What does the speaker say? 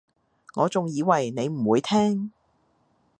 我仲以為你唔會聽